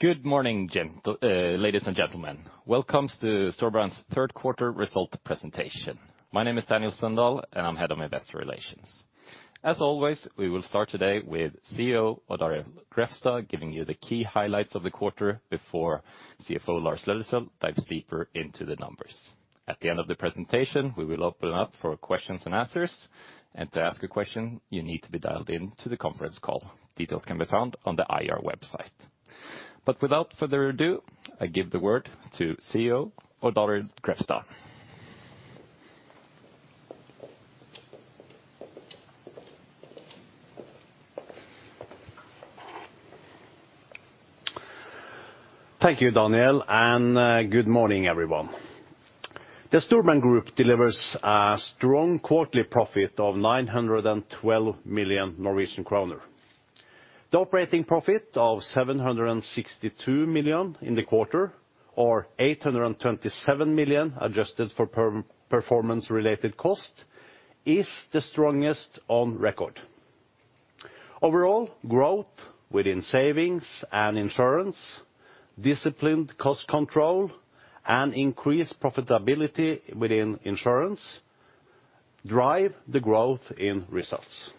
Good morning, ladies and gentlemen. Welcome to Storebrand's third quarter result presentation. My name is Daniel Sundahl, and I'm head of investor relations. As always, we will start today with CEO Odd Arild Grefstad giving you the key highlights of the quarter before CFO Lars Aasulv Løddesøl dives deeper into the numbers. At the end of the presentation, we will open up for questions and answers. To ask a question, you need to be dialed in to the conference call. Details can be found on the IR website. Without further ado, I give the word to CEO Odd Arild Grefstad. Thank you, Daniel, and good morning, everyone. The Storebrand Group delivers a strong quarterly profit of 912 million Norwegian kroner. The operating profit of 762 million in the quarter, or 827 million adjusted for performance-related costs, is the strongest on record. Overall, growth within savings and insurance, disciplined cost control, and increased profitability within insurance drive the growth in results.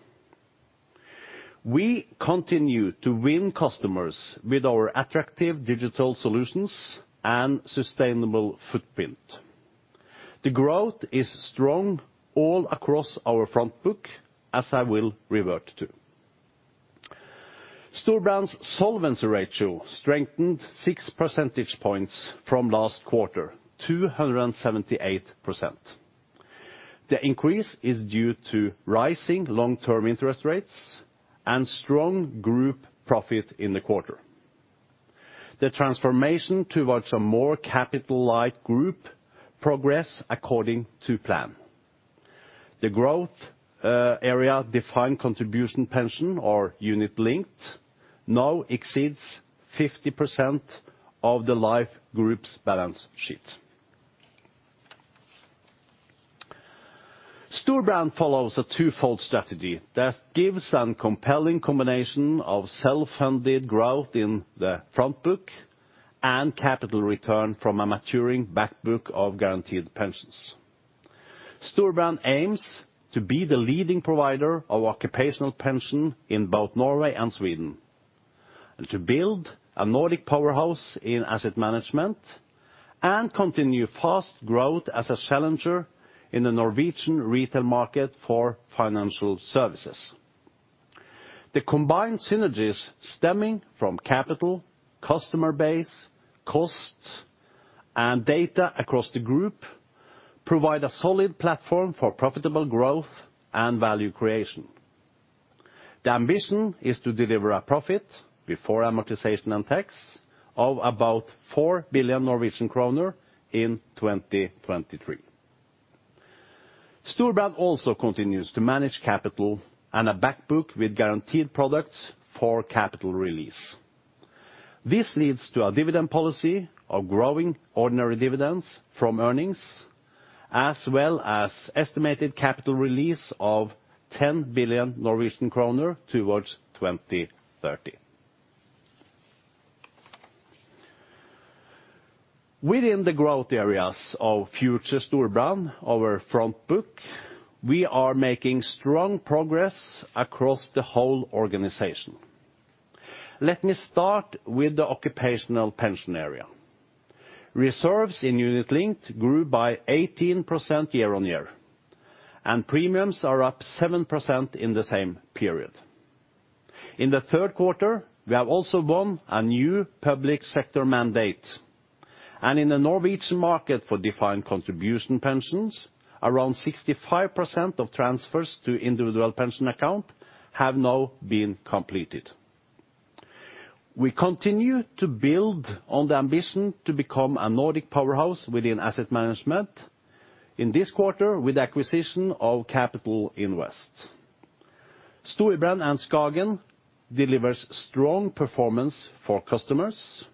We continue to win customers with our attractive digital solutions and sustainable footprint. The growth is strong all across our front book, as I will revert to. Storebrand's solvency ratio strengthened 6 percentage points from last quarter to 178%. The increase is due to rising long-term interest rates and strong group profit in the quarter. The transformation towards a more capital-light group progresses according to plan. The growth area defined contribution pension or Unit Linked now exceeds 50% of the life group's balance sheet. Storebrand follows a twofold strategy that gives a compelling combination of self-funded growth in the front book and capital return from a maturing back book of guaranteed pensions. Storebrand aims to be the leading provider of occupational pension in both Norway and Sweden, and to build a Nordic powerhouse in asset management, and continue fast growth as a challenger in the Norwegian retail market for financial services. The combined synergies stemming from capital, customer base, costs, and data across the group provide a solid platform for profitable growth and value creation. The ambition is to deliver a profit before amortization and tax of about 4 billion Norwegian kroner in 2023. Storebrand also continues to manage capital and a back book with guaranteed products for capital release. This leads to a dividend policy of growing ordinary dividends from earnings, as well as estimated capital release of 10 billion Norwegian kroner towards 2030. Within the growth areas of future Storebrand, our front book, we are making strong progress across the whole organization. Let me start with the occupational pension area. Reserves in Unit Linked grew by 18% year-on-year, and premiums are up 7% in the same period. In the third quarter, we have also won a new public sector mandate, and in the Norwegian market for defined contribution pensions, around 65% of transfers to Individual Pension Account have now been completed. We continue to build on the ambition to become a Nordic powerhouse within asset management in this quarter with acquisition of Capital Investment. Storebrand and SKAGEN deliver strong performance for customers,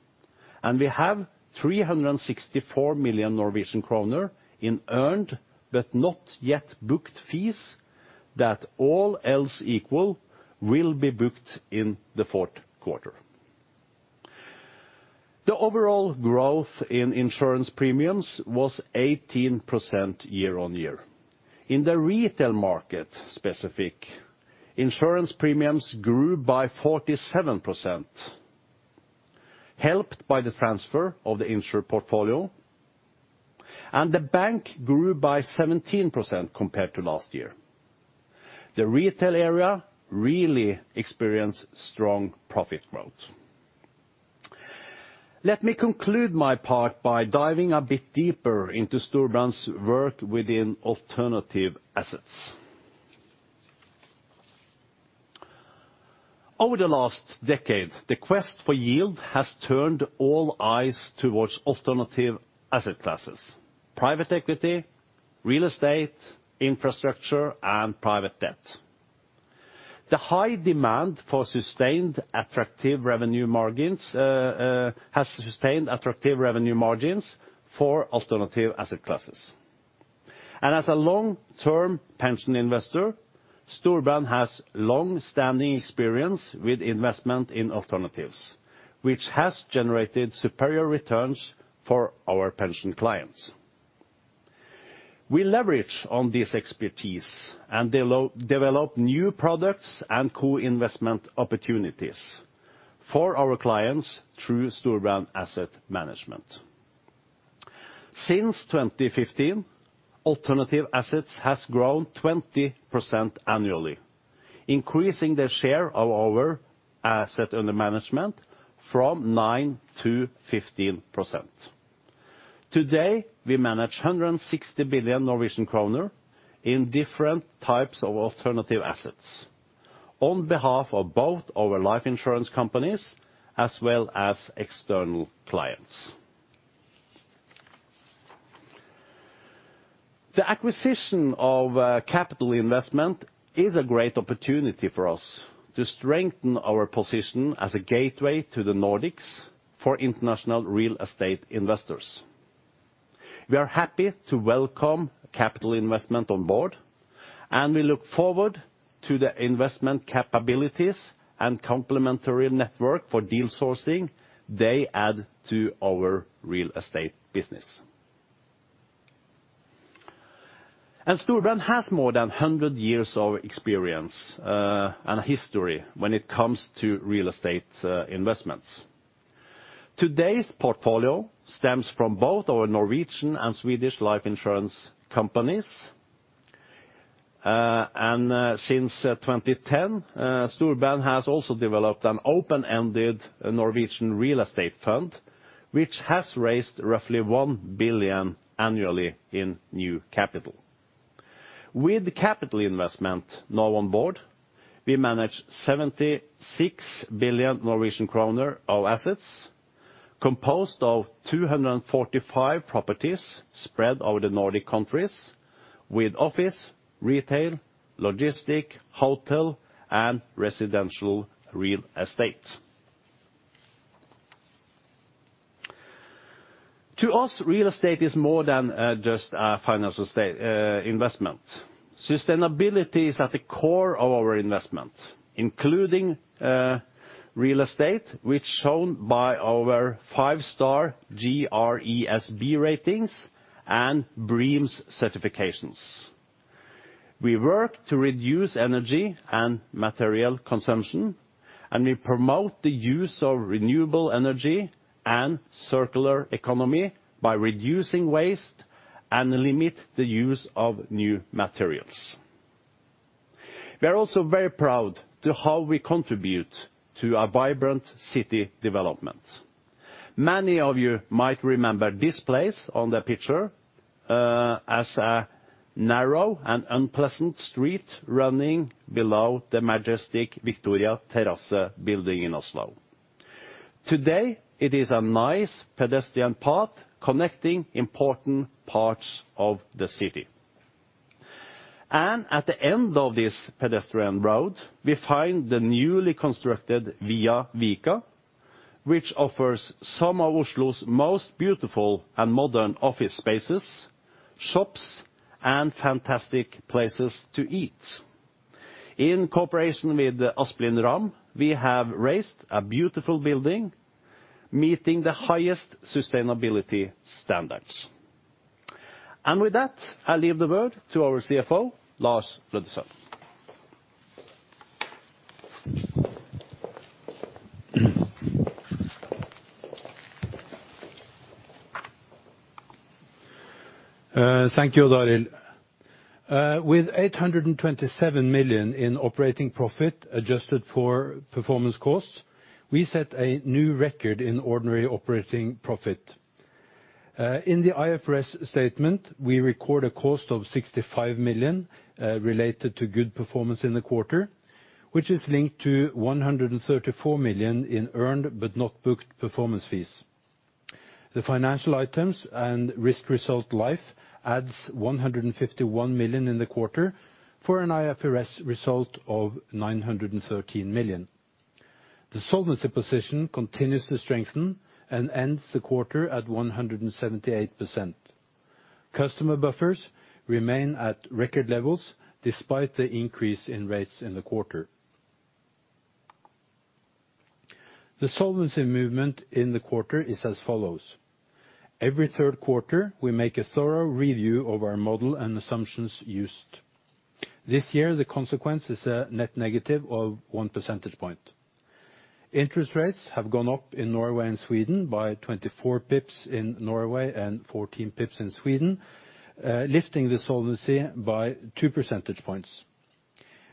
and we have 364 million Norwegian kroner in earned but not yet booked fees that all else equal will be booked in the fourth quarter. The overall growth in insurance premiums was 18% year-on-year. In the retail market specific, insurance premiums grew by 47%, helped by the transfer of the insured portfolio. The bank grew by 17% compared to last year. The retail area really experienced strong profit growth. Let me conclude my part by diving a bit deeper into Storebrand's work within alternative assets. Over the last decade, the quest for yield has turned all eyes towards alternative asset classes, private equity, real estate, infrastructure, and private debt. The high demand has sustained attractive revenue margins for alternative asset classes. As a long-term pension investor, Storebrand has long-standing experience with investment in alternatives, which has generated superior returns for our pension clients. We leverage on this expertise and develop new products and co-investment opportunities for our clients through Storebrand Asset Management. Since 2015, alternative assets has grown 20% annually, increasing the share of our asset under management from 9% to 15%. Today, we manage 160 billion Norwegian kroner in different types of alternative assets, on behalf of both our life insurance companies as well as external clients. The acquisition of Capital Investment is a great opportunity for us to strengthen our position as a gateway to the Nordics for international real estate investors. We are happy to welcome Capital Investment on board and we look forward to the investment capabilities and complementary network for deal sourcing they add to our real estate business. Storebrand has more than 100 years of experience and history when it comes to real estate investments. Today's portfolio stems from both our Norwegian and Swedish life insurance companies. Since 2010, Storebrand has also developed an open-ended Norwegian real estate fund, which has raised roughly 1 billion annually in new capital. With the Capital Investment now on board, we manage 76 billion Norwegian kroner of assets, composed of 245 properties spread over the Nordic countries with office, retail, logistics, hotel and residential real estate. To us, real estate is more than just financial investment. Sustainability is at the core of our investment, including real estate, which shown by our five-star GRESB ratings and BREEAM's certifications. We work to reduce energy and material consumption, and we promote the use of renewable energy and circular economy by reducing waste, and limit the use of new materials. We are also very proud to how we contribute to a vibrant city development. Many of you might remember this place on the picture as a narrow and unpleasant street running below the majestic Victoria Terrasse building in Oslo. Today, it is a nice pedestrian path connecting important parts of the city. At the end of this pedestrian road, we find the newly constructed VIA Vika, which offers some of Oslo's most beautiful and modern office spaces, shops, and fantastic places to eat. In cooperation with Asplan Viak, we have raised a beautiful building, meeting the highest sustainability standards. With that, I leave the word to our CFO, Lars Løddesøl. Thank you, Odd Arild. With 827 million in operating profit, adjusted for performance costs, we set a new record in ordinary operating profit. In the IFRS statement, we record a cost of 65 million related to good performance in the quarter, which is linked to 134 million in earned, but not booked, performance fees. The financial items and risk result life adds 151 million in the quarter for an IFRS result of 913 million. The solvency position continues to strengthen, and ends the quarter at 178%. Customer buffers remain at record levels despite the increase in rates in the quarter. The solvency movement in the quarter is as follows. Every third quarter, we make a thorough review of our model and assumptions used. This year, the consequence is a net negative of 1 percentage point. Interest rates have gone up in Norway and Sweden by 24 pips in Norway and 14 pips in Sweden, lifting the solvency by 2 percentage points.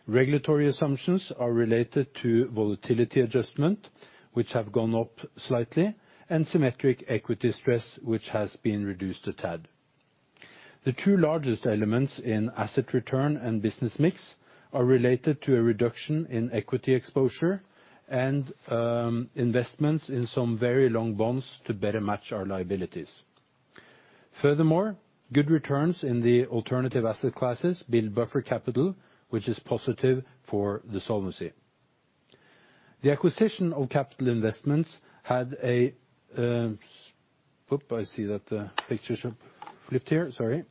Regulatory assumptions are related to volatility adjustment, which have gone up slightly, and symmetric equity stress, which has been reduced a tad. The two largest elements in asset return and business mix are related to a reduction in equity exposure and investments in some very long bonds to better match our liabilities. Furthermore, good returns in the alternative asset classes build buffer capital, which is positive for the solvency. The acquisition of Capital Investment had a. I see that the picture's flipped here. Sorry.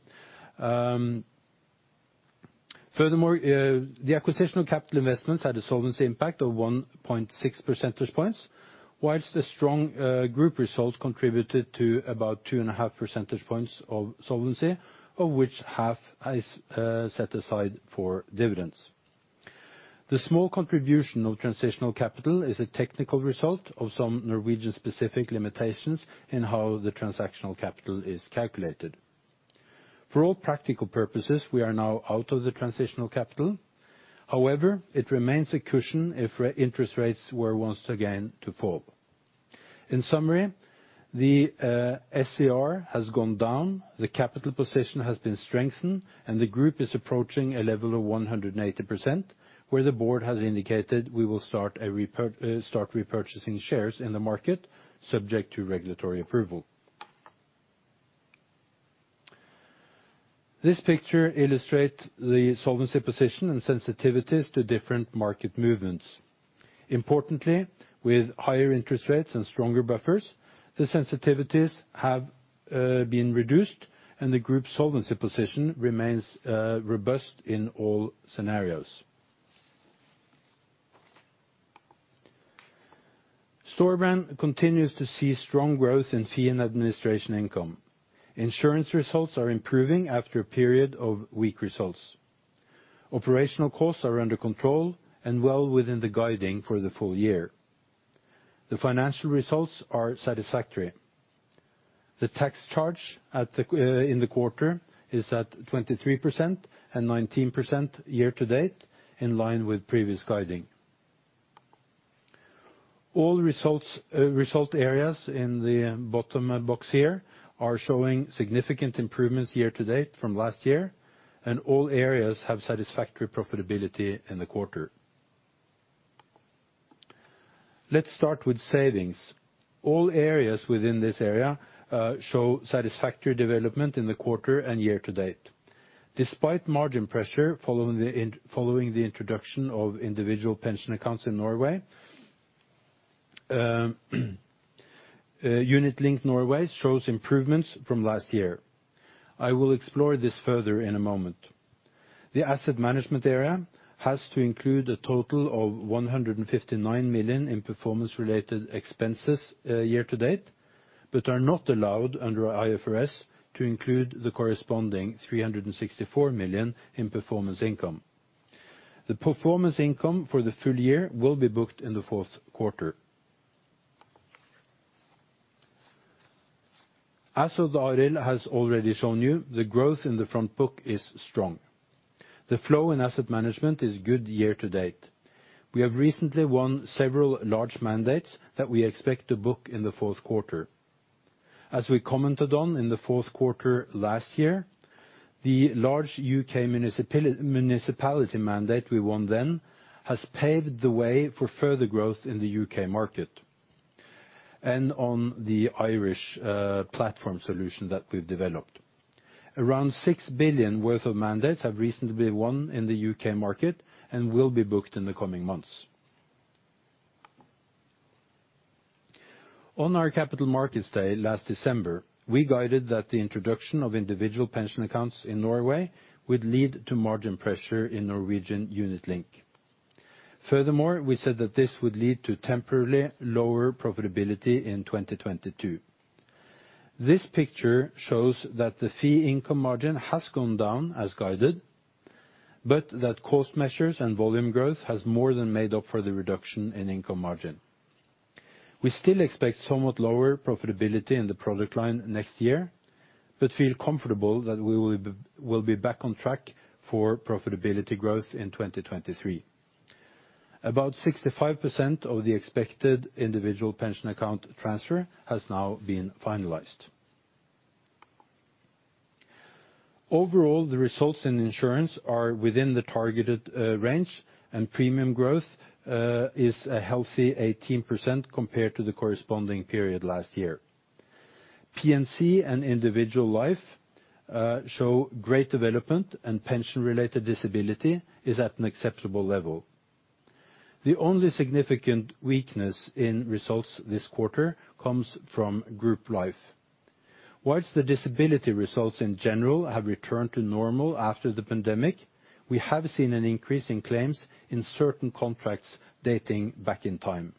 Furthermore, the acquisition of Capital Investment had a solvency impact of 1.6 percentage points, while the strong group results contributed to about 2.5 percentage points of solvency, of which half is set aside for dividends. The small contribution of transitional capital is a technical result of some Norwegian-specific limitations in how the transitional capital is calculated. For all practical purposes, we are now out of the transitional capital. However, it remains a cushion if interest rates were once again to fall. In summary, the SCR has gone down, the capital position has been strengthened, and the group is approaching a level of 180%, where the board has indicated we will start repurchasing shares in the market, subject to regulatory approval. This picture illustrate the solvency position and sensitivities to different market movements. Importantly, with higher interest rates and stronger buffers, the sensitivities have been reduced, and the group solvency position remains robust in all scenarios. Storebrand continues to see strong growth in fee and administration income. Insurance results are improving after a period of weak results. Operational costs are under control and well within the guidance for the full year. The financial results are satisfactory. The tax charge in the quarter is at 23% and 19% year to date, in line with previous guidance. All result areas in the bottom box here are showing significant improvements year to date from last year, and all areas have satisfactory profitability in the quarter. Let's start with savings. All areas within this area show satisfactory development in the quarter and year to date. Despite margin pressure following the introduction of individual pension accounts in Norway, Unit Linked Norway shows improvements from last year. I will explore this further in a moment. The asset management area has to include a total of 159 million in performance-related expenses, year to date, but are not allowed under IFRS to include the corresponding 364 million in performance income. The performance income for the full year will be booked in the fourth quarter. As Odd Arild has already shown you, the growth in the front book is strong. The flow in asset management is good year to date. We have recently won several large mandates that we expect to book in the fourth quarter. As we commented on in the fourth quarter last year, the large UK municipality mandate we won then has paved the way for further growth in the UK market. On the Irish platform solution that we've developed, around 6 billion worth of mandates have recently been won in the UK market and will be booked in the coming months. On our Capital Markets Day last December, we guided that the introduction of Individual Pension Accounts in Norway would lead to margin pressure in Norwegian Unit Linked. Furthermore, we said that this would lead to temporarily lower profitability in 2022. This picture shows that the fee income margin has gone down as guided, but that cost measures and volume growth has more than made up for the reduction in income margin. We still expect somewhat lower profitability in the product line next year, but feel comfortable that we will be back on track for profitability growth in 2023. About 65% of the expected Individual Pension Account transfer has now been finalized. Overall, the results in insurance are within the targeted range, and premium growth is a healthy 18% compared to the corresponding period last year. P&C and individual life show great development, and pension-related disability is at an acceptable level. The only significant weakness in results this quarter comes from group life. While the disability results in general have returned to normal after the pandemic, we have seen an increase in claims in certain contracts dating back in time.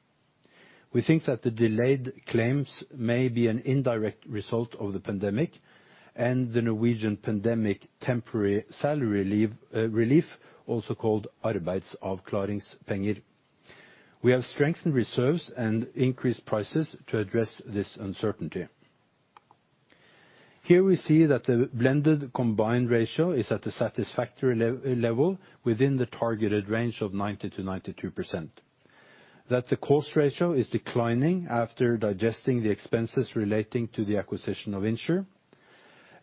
We think that the delayed claims may be an indirect result of the pandemic and the Norwegian pandemic temporary salary relief, also called Arbeidsavklaringspenger. We have strengthened reserves and increased prices to address this uncertainty. Here we see that the blended combined ratio is at a satisfactory level within the targeted range of 90%-92%, that the cost ratio is declining after digesting the expenses relating to the acquisition of Insr,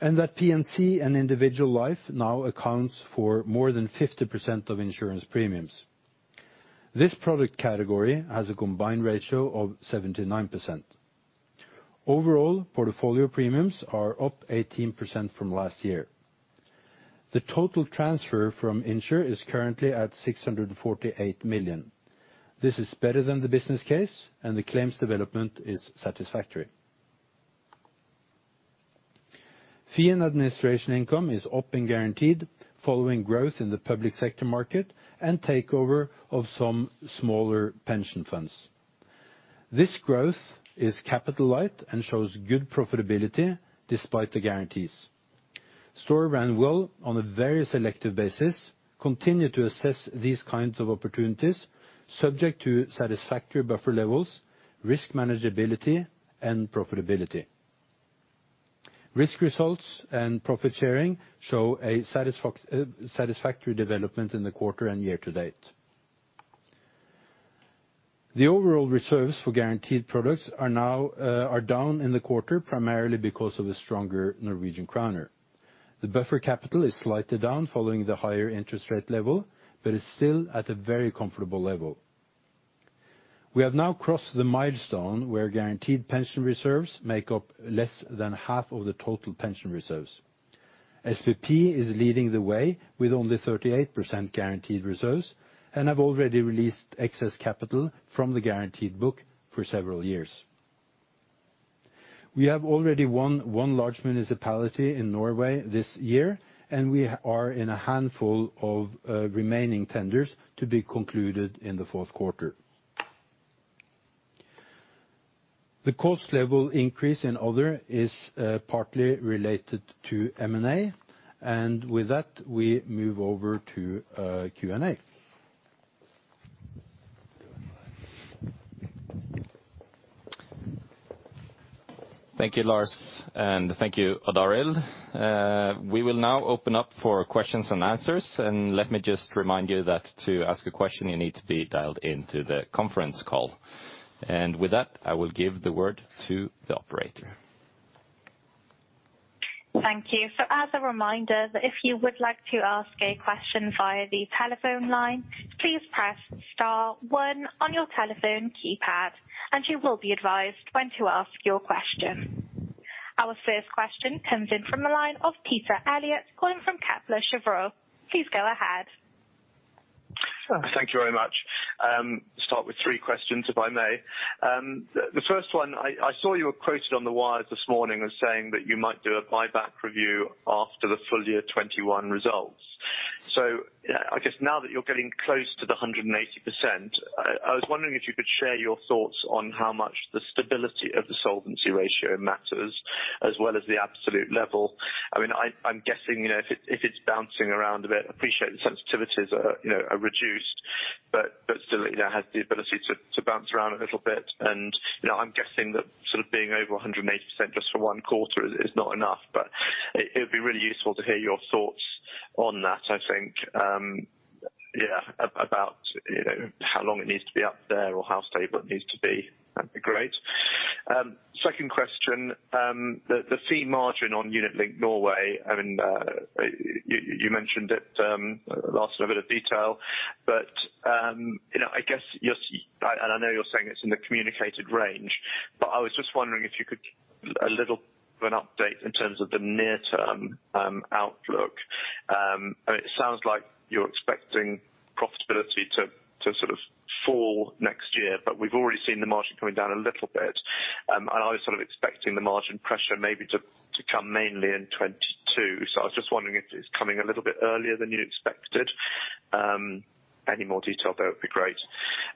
and that P&C and individual life now accounts for more than 50% of insurance premiums. This product category has a combined ratio of 79%. Overall, portfolio premiums are up 18% from last year. The total transfer from Insr is currently at 648 million. This is better than the business case, and the claims development is satisfactory. Fee and administration income is up and guaranteed following growth in the public sector market and takeover of some smaller pension funds. This growth is capital light and shows good profitability despite the guarantees. Storebrand will, on a very selective basis, continue to assess these kinds of opportunities subject to satisfactory buffer levels, risk manageability, and profitability. Risk results and profit sharing show a satisfactory development in the quarter and year to date. The overall reserves for guaranteed products are now down in the quarter, primarily because of the stronger Norwegian kroner. The buffer capital is slightly down following the higher interest rate level, but is still at a very comfortable level. We have now crossed the milestone where guaranteed pension reserves make up less than half of the total pension reserves. SPP is leading the way with only 38% guaranteed reserves, and have already released excess capital from the guaranteed book for several years. We have already won one large municipality in Norway this year, and we are in a handful of remaining tenders to be concluded in the fourth quarter. The cost level increase in other is partly related to M&A. With that, we move over to Q&A. Thank you, Lars, and thank you, Odd Arild. We will now open up for questions and answers. Let me just remind you that to ask a question you need to be dialed into the conference call. With that, I will give the word to the operator. Thank you. As a reminder, if you would like to ask a question via the telephone line, please press star one on your telephone keypad, and you will be advised when to ask your question. Our first question comes in from the line of Peter Eliot calling from Kepler Cheuvreux. Please go ahead. Thank you very much. I'll start with three questions, if I may. The first one, I saw you were quoted on the wire this morning as saying that you might do a buyback review after the full year 2021 results. I guess now that you're getting close to the 180%, I was wondering if you could share your thoughts on how much the stability of the solvency ratio matters as well as the absolute level. I mean, I'm guessing, you know, if it's bouncing around a bit, I appreciate the sensitivities are, you know, reduced, but still, you know, has the ability to bounce around a little bit. You know, I'm guessing that sort of being over 180% just for one quarter is not enough, but it'd be really useful to hear your thoughts on that, I think, about, you know, how long it needs to be up there or how stable it needs to be. That'd be great. Second question, the fee margin on UnitLink Norway, I mean, you mentioned it last in a bit of detail, but, you know, I guess you're and I know you're saying it's in the communicated range, but I was just wondering if you could give a little of an update in terms of the near-term outlook. It sounds like you're expecting profitability to sort of fall next year, but we've already seen the margin coming down a little bit. I was sort of expecting the margin pressure maybe to come mainly in 2022. So I was just wondering if it's coming a little bit earlier than you expected. Any more detail there would be great.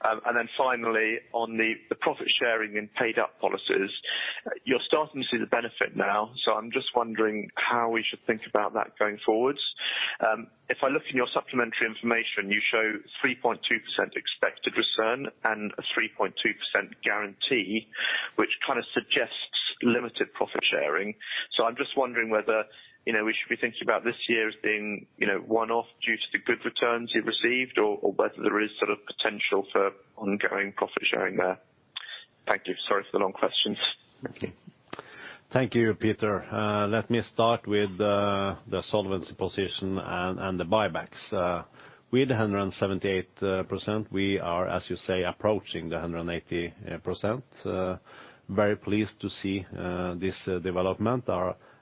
And then finally, on the profit sharing in paid-up policies, you're starting to see the benefit now. So I'm just wondering how we should think about that going forwards. If I look in your supplementary information, you show 3.2% expected return and a 3.2% guarantee, which kind of suggests limited profit sharing. So I'm just wondering whether, you know, we should be thinking about this year as being, you know, one-off due to the good returns you've received or whether there is sort of potential for ongoing profit sharing there. Thank you. Sorry for the long questions. Thank you. Thank you, Peter. Let me start with the solvency position and the buybacks. With the 178%, we are, as you say, approaching the 180%. Very pleased to see this development.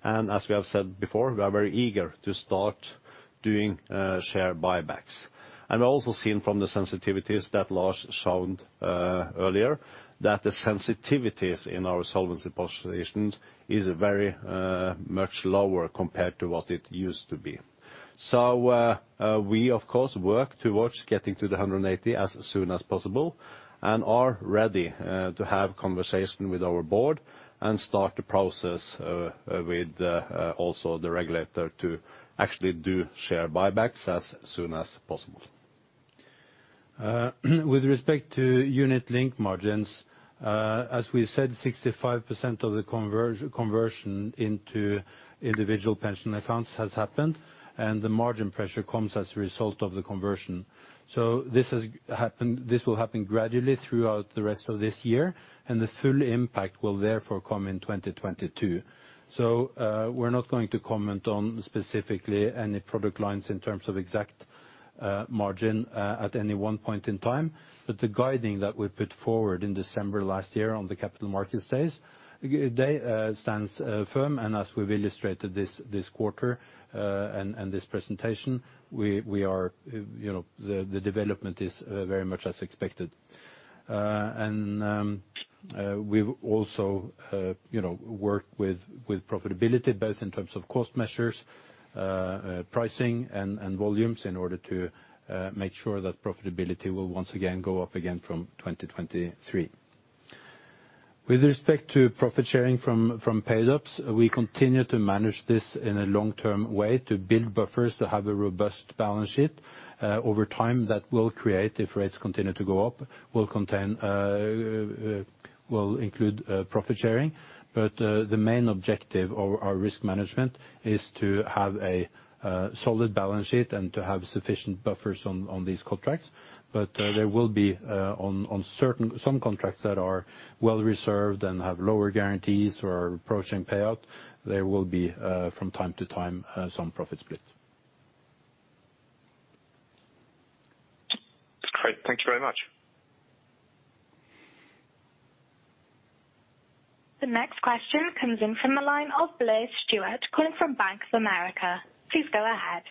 As we have said before, we are very eager to start doing share buybacks. Also seen from the sensitivities that Lars showed earlier, that the sensitivities in our solvency positions is very much lower compared to what it used to be. We, of course, work towards getting to the 180% as soon as possible and are ready to have conversation with our board and start the process with also the regulator to actually do share buybacks as soon as possible. With respect to UnitLink margins, as we said, 65% of the conversion into individual pension accounts has happened, and the margin pressure comes as a result of the conversion. This has happened. This will happen gradually throughout the rest of this year, and the full impact will therefore come in 2022. We're not going to comment on specifically any product lines in terms of exact margin at any one point in time. The guidance that we put forward in December last year on the Capital Markets Day stands firm. As we've illustrated this quarter and this presentation, we are, you know, the development is very much as expected. We've also, you know, worked with profitability, both in terms of cost measures, pricing and volumes in order to make sure that profitability will once again go up again from 2023. With respect to profit sharing from paid-ups, we continue to manage this in a long-term way to build buffers to have a robust balance sheet. Over time, that will include profit sharing if rates continue to go up. The main objective of our risk management is to have a solid balance sheet and to have sufficient buffers on these contracts. There will be on some certain contracts that are well reserved and have lower guarantees or are approaching payout, from time to time some profit split. That's great. Thank you very much. The next question comes in from the line of Blair Stewart calling from Bank of America. Please go ahead.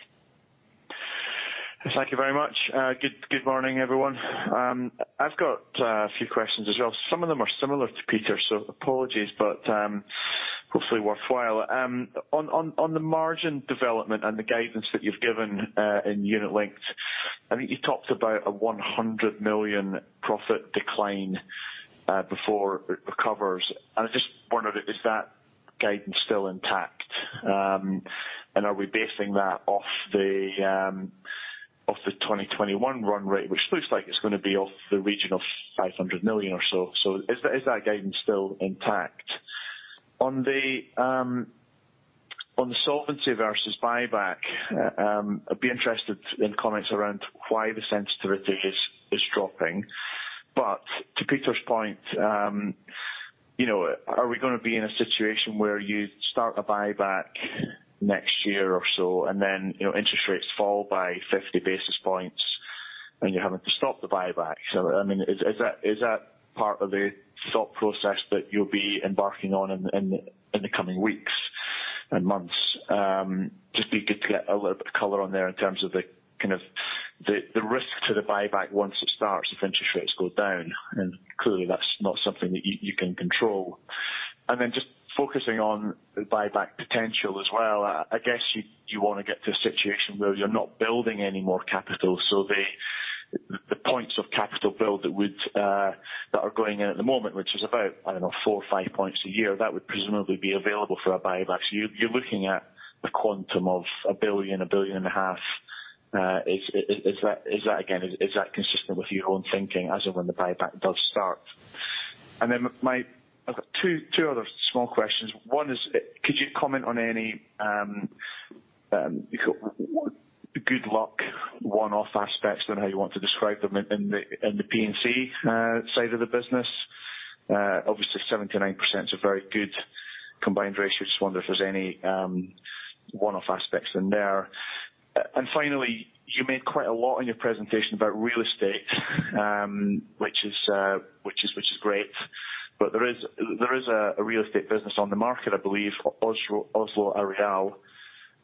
Thank you very much. Good morning, everyone. I've got a few questions as well. Some of them are similar to Peter, so apologies, but hopefully worthwhile. On the margin development and the guidance that you've given in Unit Linked, I think you talked about a 100 million profit decline before it recovers. I just wondered, is that guidance still intact? And are we basing that off the 2021 run rate, which looks like it's gonna be in the region of 500 million or so. Is that guidance still intact? On the solvency versus buyback, I'd be interested in comments around why the sensitivity is dropping. To Peter's point, you know, are we gonna be in a situation where you start a buyback next year or so, and then, you know, interest rates fall by 50 basis points, and you're having to stop the buyback? I mean, is that part of the thought process that you'll be embarking on in the coming weeks and months? Just be good to get a little bit of color on there in terms of the kind of the risk to the buyback once it starts if interest rates go down. Clearly, that's not something that you can control. Just focusing on the buyback potential as well. I guess you wanna get to a situation where you're not building any more capital, so the points of capital build that are going in at the moment, which is about, I don't know, 4 or 5 points a year, that would presumably be available for a buyback. You're looking at the quantum of 1 billion, 1.5 billion. Is that again, is that consistent with your own thinking as of when the buyback does start? Then I've got two other small questions. One is could you comment on any large one-off aspects and how you want to describe them in the P&C side of the business? Obviously 79% is a very good combined ratio. just wonder if there's any one-off aspects in there. Finally, you made quite a lot in your presentation about real estate, which is great. There is a real estate business on the market, I believe, Oslo Areal.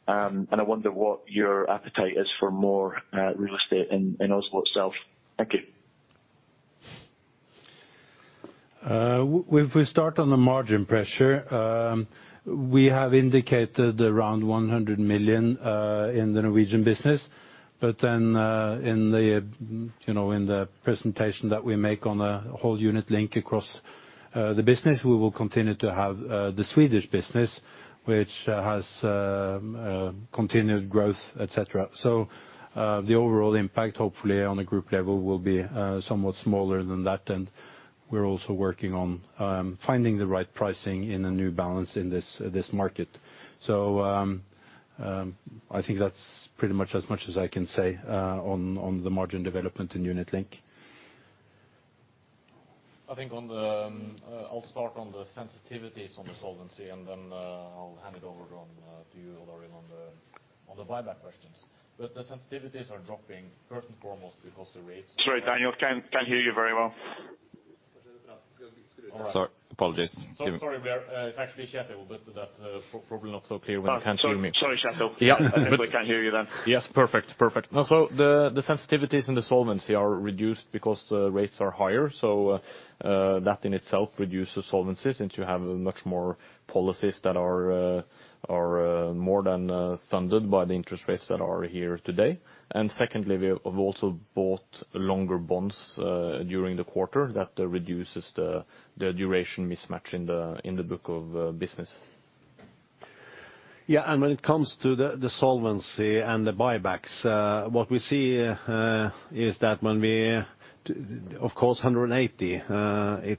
I wonder what your appetite is for more real estate in Oslo itself. Thank you. We start on the margin pressure. We have indicated around 100 million in the Norwegian business. In the presentation that we make on the whole Unit Linked across the business we will continue to have the Swedish business, which has continued growth, etc. The overall impact, hopefully on a group level will be somewhat smaller than that. We're also working on finding the right pricing in a new balance in this market. I think that's pretty much as much as I can say on the margin development in Unit Linked. I think on the, I'll start on the sensitivities on the solvency, and then, I'll hand it over on, to you, Odd Arild, on the, on the buyback questions. The sensitivities are dropping first and foremost because the rates- Sorry, Daniel. Can't hear you very well. Sorry. Apologies. Sorry. It's actually Kjetil, but that probably not so clear when you can't hear me. Oh, sorry, Kjetil. Yeah. Everybody can hear you then. Yes. Perfect. Now, the sensitivities in the solvency are reduced because the rates are higher. That in itself reduces solvency since you have much more policies that are more than funded by the interest rates that are here today. Secondly, we have also bought longer bonds during the quarter that reduces the duration mismatch in the book of business. Yeah. When it comes to the solvency and the buybacks, of course 180,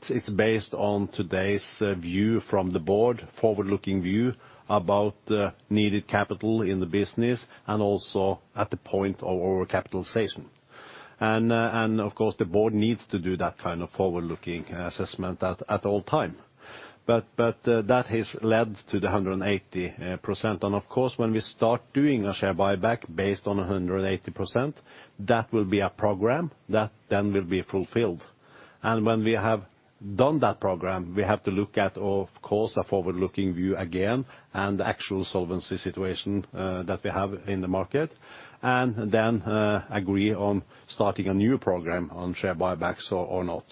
it's based on today's view from the board, forward-looking view about the needed capital in the business and also at the point of our capitalization. Of course, the board needs to do that kind of forward-looking assessment at all times. That has led to the 180%. Of course, when we start doing a share buyback based on 180%, that will be a program that then will be fulfilled. When we have done that program, we have to look at, of course, a forward-looking view again and the actual solvency situation that we have in the market, and then agree on starting a new program on share buybacks or not.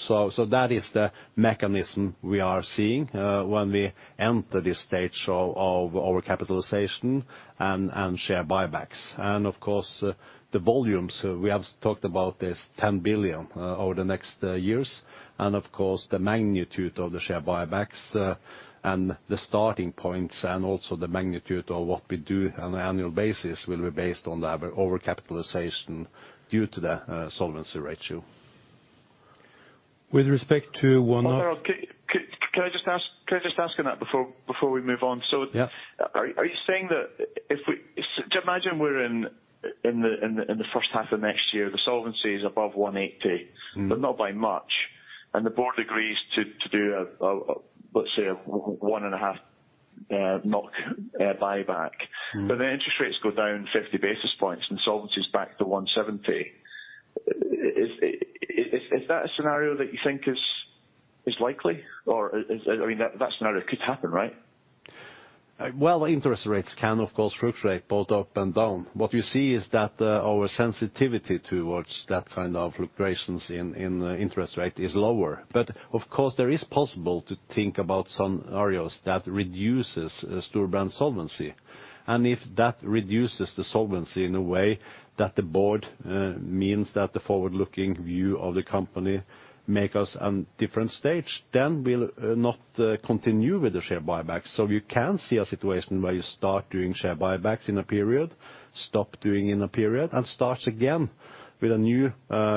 That is the mechanism we are seeing when we enter this stage of overcapitalization and share buybacks. Of course, the volumes, we have talked about this 10 billion over the next years, and of course, the magnitude of the share buybacks and the starting points, and also the magnitude of what we do on an annual basis will be based on the overcapitalization due to the solvency ratio. With respect to one of- Can I just ask on that before we move on? Yeah. Imagine we're in the first half of next year, the solvency is above 180, but not by much, and the board agrees to do a 1.5 NOK buyback. The interest rates go down 50 basis points and solvency is back to 170. Is that a scenario that you think is likely? I mean, that scenario could happen, right? Well, interest rates can, of course, fluctuate both up and down. What you see is that, our sensitivity towards that kind of fluctuations in interest rate is lower. Of course, there is possible to think about some scenarios that reduces Storebrand solvency. If that reduces the solvency in a way that the board, means that the forward-looking view of the company make us on different stage, then we'll not continue with the share buyback. You can see a situation where you start doing share buybacks in a period, stop doing in a period, and start again with a new,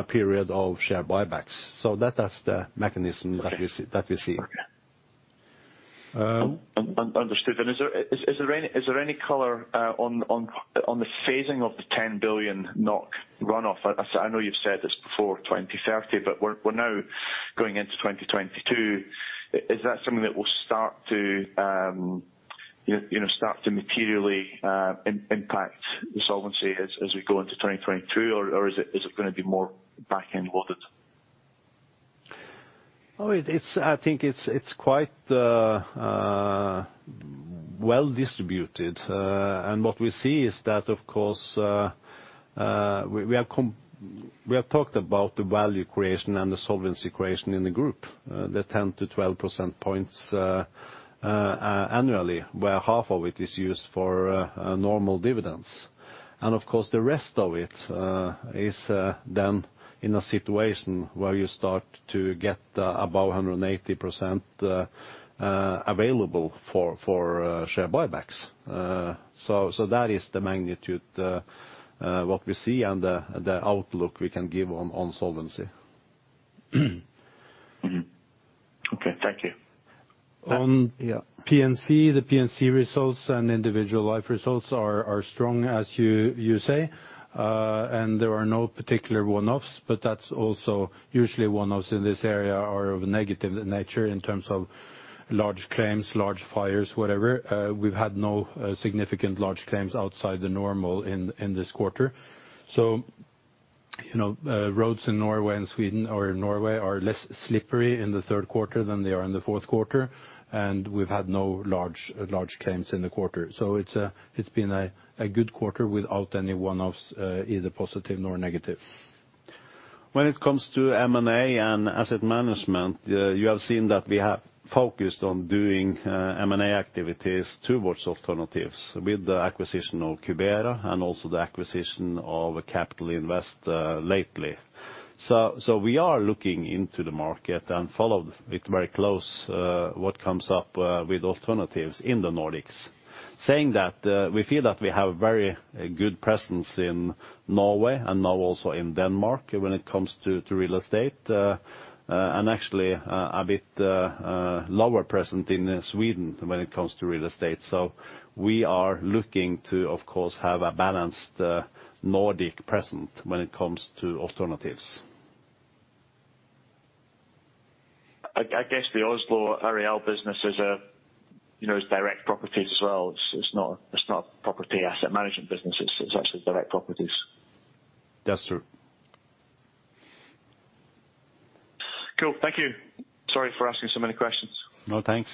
period of share buybacks. That is the mechanism that we see. Okay. Understood. Is there any color on the phasing of the 10 billion NOK runoff? I know you've said it's before 2030, but we're now going into 2022. Is that something that will start to materially impact the solvency as we go into 2022, or is it gonna be more back-end loaded? I think it's quite well-distributed. What we see is that, of course, we have talked about the value creation and the solvency creation in the group, the 10-12 percentage points annually, where half of it is used for normal dividends. Of course, the rest of it is then in a situation where you start to get about 180% available for share buybacks. That is the magnitude what we see and the outlook we can give on solvency. Okay. Thank you. On P&C, the P&C results and individual life results are strong, as you say. There are no particular one-offs, but that's also usually one-offs in this area are of negative nature in terms of large claims, large fires, whatever. We've had no significant large claims outside the normal in this quarter. You know, roads in Norway and Sweden, or Norway are less slippery in the third quarter than they are in the fourth quarter, and we've had no large claims in the quarter. It's been a good quarter without any one-offs, either positive nor negative. When it comes to M&A and asset management, you have seen that we have focused on doing M&A activities towards alternatives with the acquisition of Cubera and also the acquisition of Capital Investment lately. We are looking into the market and follow it very closely what comes up with alternatives in the Nordics. Saying that, we feel that we have very good presence in Norway and now also in Denmark when it comes to real estate and actually a bit lower presence in Sweden when it comes to real estate. We are looking to, of course, have a balanced Nordic presence when it comes to alternatives. I guess the Oslo Areal business is, you know, direct properties as well. It's not property asset management business. It's actually direct properties. That's true. Cool. Thank you. Sorry for asking so many questions. No, thanks.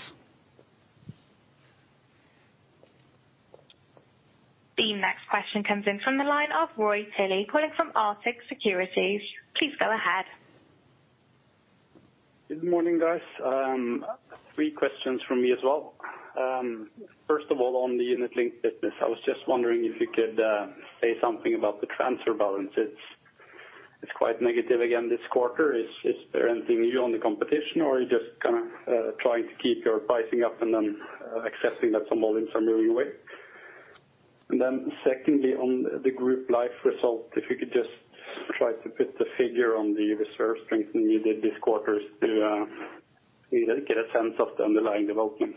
The next question comes in from the line of Roy Tilley, calling from Arctic Securities. Please go ahead. Good morning, guys. Three questions from me as well. First of all, on the unit link business, I was just wondering if you could say something about the transfer balances. It's quite negative again this quarter. Is there anything new on the competition or are you just kinda trying to keep your pricing up and then accepting that some volumes are moving away? Secondly, on the group life result, if you could just try to put the figure on the reserve strength needed this quarter to either get a sense of the underlying development.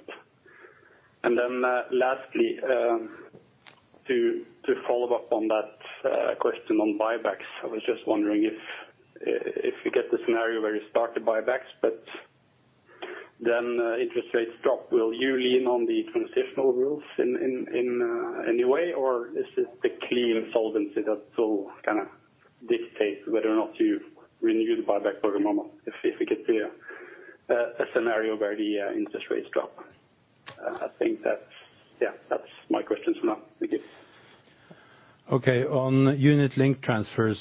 Lastly, to follow up on that question on buybacks. I was just wondering if you get the scenario where you start the buybacks, but then interest rates drop, will you lean on the transitional rules in any way? Or is it the clean solvency that will kind of dictate whether or not you renew the buyback program or not if we get to a scenario where the interest rates drop? I think that's my questions for now. Thank you. On unit link transfers,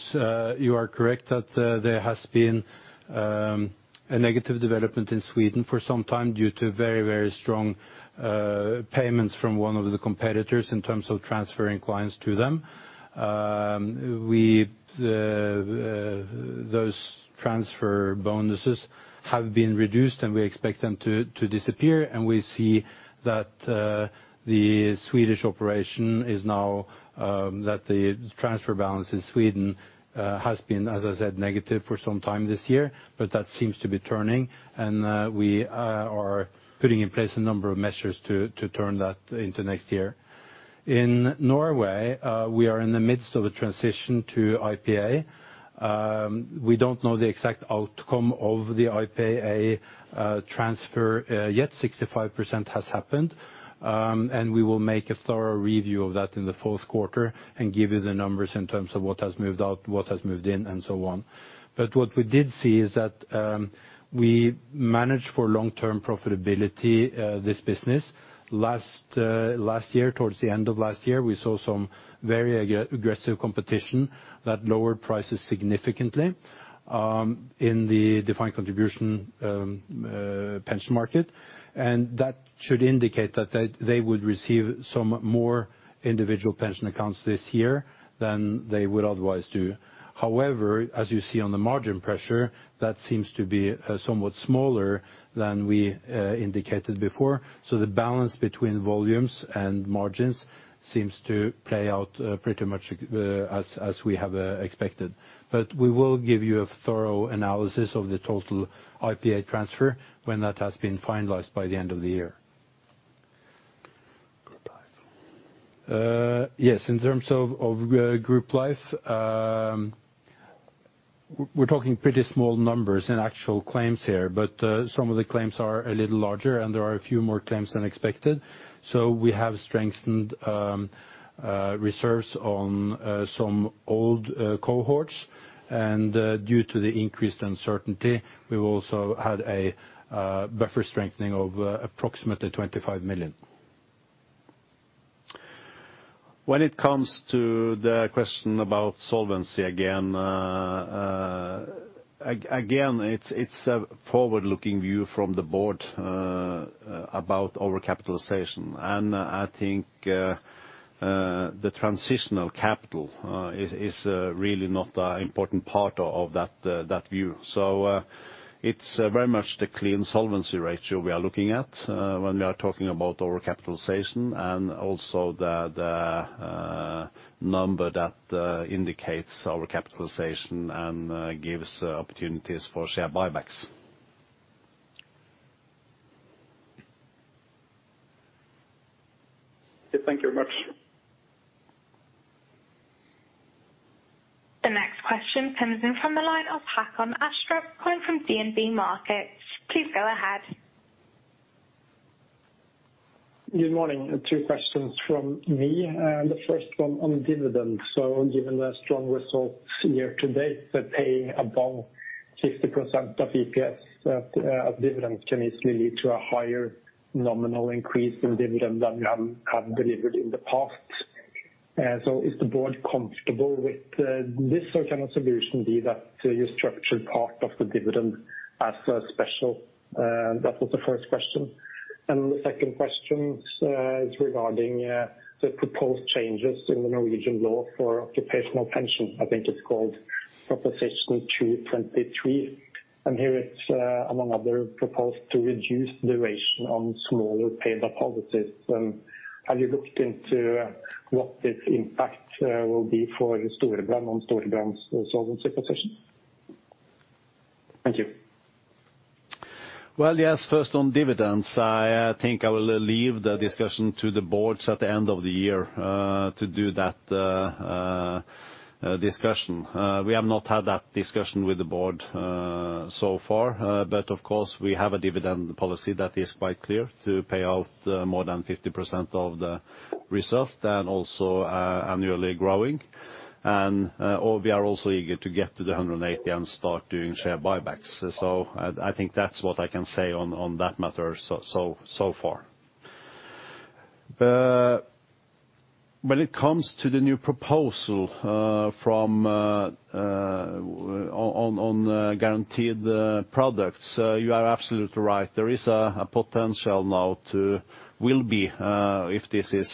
you are correct that there has been a negative development in Sweden for some time due to very, very strong payments from one of the competitors in terms of transferring clients to them. Those transfer bonuses have been reduced, and we expect them to disappear and we see that the transfer balance in Sweden has been, as I said, negative for some time this year. That seems to be turning, and we are putting in place a number of measures to turn that into next year. In Norway, we are in the midst of a transition to IPA. We don't know the exact outcome of the IPA transfer yet. 65% has happened, and we will make a thorough review of that in the fourth quarter and give you the numbers in terms of what has moved out, what has moved in, and so on. What we did see is that we managed for long-term profitability this business. Last year, towards the end of last year, we saw some very aggressive competition that lowered prices significantly in the defined contribution pension market, and that should indicate that they would receive some more Individual Pension Accounts this year than they would otherwise do. However, as you see on the margin pressure, that seems to be somewhat smaller than we indicated before. The balance between volumes and margins seems to play out pretty much as we have expected. We will give you a thorough analysis of the total IPA transfer when that has been finalized by the end of the year. Group life. Yes. In terms of group life, we're talking pretty small numbers in actual claims here. But some of the claims are a little larger, and there are a few more claims than expected, so we have strengthened reserves on some old cohorts. Due to the increased uncertainty, we've also had a buffer strengthening of approximately 25 million. When it comes to the question about solvency again, it's a forward-looking view from the board about overcapitalization. I think the transitional capital is really not an important part of that view. It's very much the clean solvency ratio we are looking at when we are talking about overcapitalization and also the number that indicates overcapitalization and gives opportunities for share buybacks. Yeah. Thank you very much. The next question comes in from the line of Håkon Astrup going from DNB Markets. Please go ahead. Good morning. Two questions from me. The first one on dividends. Given the strong results year to date that pay above 50% of EPS as a dividend can easily lead to a higher nominal increase in dividend than you have delivered in the past. Is the board comfortable with this sort of solution, be that you structure part of the dividend as a special? That was the first question. The second question is regarding the proposed changes in the Norwegian law for occupational pension. I think it's called Proposition 223. Here it's, among other, proposed to reduce duration on smaller paid-up policies. Have you looked into what the impact will be for Storebrand, on Storebrand's solvency position? Thank you. Well, yes, first on dividends, I think I will leave the discussion to the boards at the end of the year to do that discussion. We have not had that discussion with the board so far. Of course, we have a dividend policy that is quite clear to pay out more than 50% of the result and also annually growing. We are also eager to get to 180 and start doing share buybacks. I think that's what I can say on that matter so far. When it comes to the new proposal from on guaranteed products, you are absolutely right. There is a potential now to. will be, if this is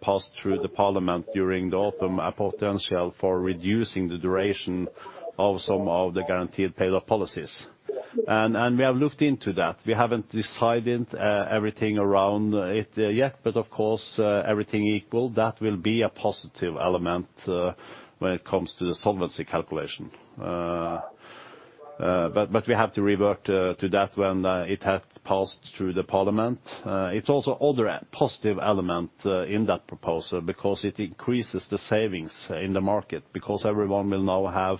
passed through the parliament during the autumn, a potential for reducing the duration of some of the guaranteed paid-up policies. We have looked into that. We haven't decided everything around it yet, but of course, everything equal, that will be a positive element when it comes to the solvency calculation. But we have to revert to that when it has passed through the parliament. It's also another positive element in that proposal because it increases the savings in the market because everyone will now have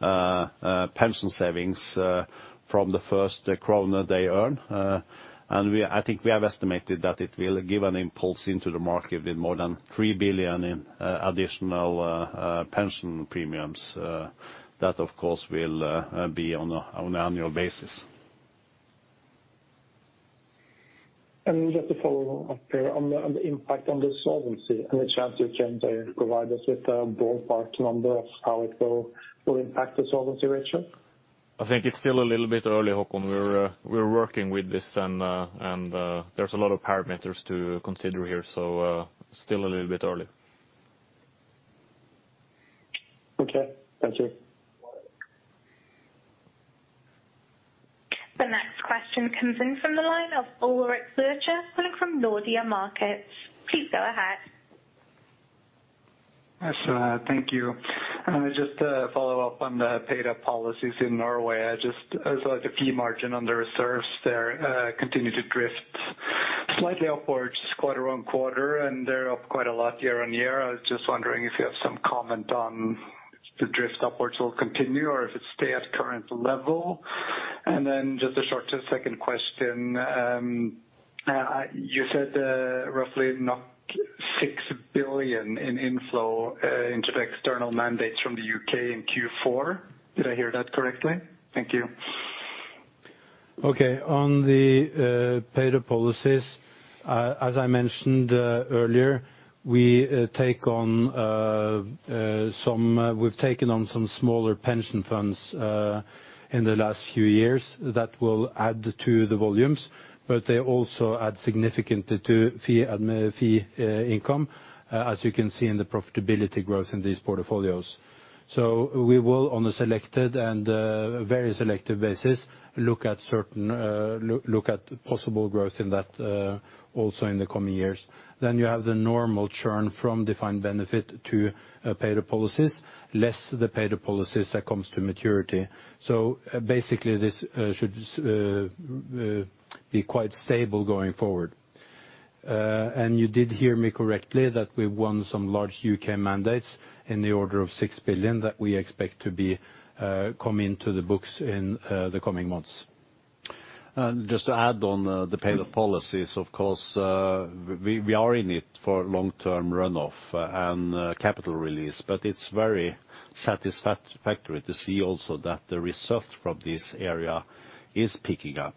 pension savings from the first kroner they earn. I think we have estimated that it will give an impulse into the market with more than 3 billion in additional pension premiums. That of course will be on annual basis. Just to follow up here on the impact on the solvency. Any chance you can provide us with a ballpark number of how it will impact the solvency ratio? I think it's still a little bit early, Håkon. We're working with this and there's a lot of parameters to consider here, so still a little bit early. Okay. Thank you. The next question comes in from the line of Ulrik Årdal Zürcher calling from Nordea Markets. Please go ahead. Yes, thank you. Just to follow up on the paid-up policies in Norway. I just saw the fee margin on the reserves there continue to drift slightly upwards quarter-on-quarter, and they're up quite a lot year-on-year. I was just wondering if you have some comment on if the drift upwards will continue, or if it stay at current level. Just a short second question. You said roughly 6 billion in inflow into the external mandates from the U.K. in Q4. Did I hear that correctly? Thank you. Okay. On the paid-up policies, as I mentioned earlier, we've taken on some smaller pension funds in the last few years that will add to the volumes, but they also add significantly to fee income, as you can see in the profitability growth in these portfolios. We will, on a selected and very selective basis, look at possible growth in that also in the coming years. You have the normal churn from defined benefit to paid-up policies, less the paid-up policies that comes to maturity. Basically, this should be quite stable going forward. You did hear me correctly that we won some large U.K. mandates in the order of 6 billion that we expect to come into the books in the coming months. Just to add on, the paid-up policies, of course, we are in it for long-term runoff and capital release, but it's very satisfactory to see also that the results from this area is picking up.